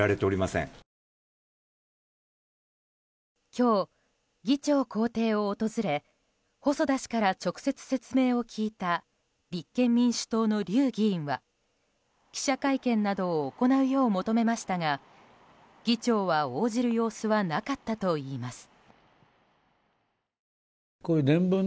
今日、議長公邸を訪れ細田氏から直接、説明を聞いた立憲民主党の笠議員は記者会見などを行うよう求めましたが議長は応じる様子はなかったといいます。